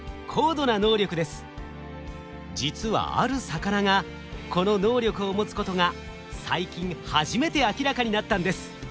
実はある魚がこの能力を持つことが最近初めて明らかになったんです。